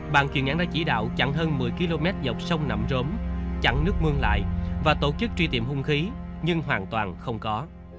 bạn kiều nhãn đã chỉ đạo chặn hơn một mươi km dọc sông nằm rốm chặn nước mương lại và tổ chức truy tìm hung khí nhưng hoàn toàn không có